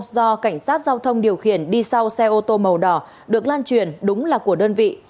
do cảnh sát giao thông điều khiển đi sau xe ô tô màu đỏ được lan truyền đúng là của đơn vị